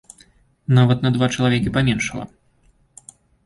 Нават на два чалавекі паменшала.